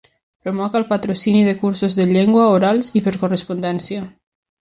Promoc el patrocini de cursos de llengua, orals i per correspondència.